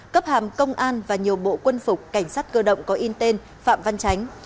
cấp hàm công an và nhiều bộ quân phục cảnh sát cơ động có in tên phạm văn chánh